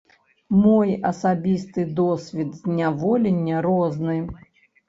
Мой асабісты досвед зняволення розны.